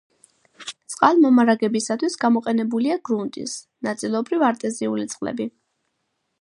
წყალმომარაგებისათვის გამოყენებულია გრუნტის, ნაწილობრივ არტეზიული წყლები.